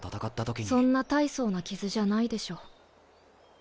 そんな大層な傷じゃないでしょ。